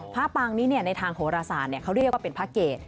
พระปางนี้ในทางโหระศาลเขาเรียกว่าเป็นพระเกด